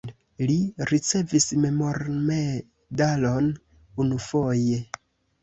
Li ricevis memormedalon unufoje.